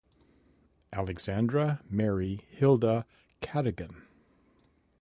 Alexandra Mary Hilda Cadogan.